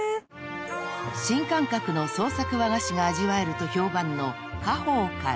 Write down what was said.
［新感覚の創作和菓子が味わえると評判の］